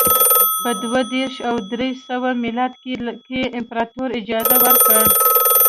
په دوه دېرش او درې سوه میلادي کال کې امپراتور اجازه ورکړه